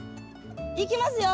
いきますよ。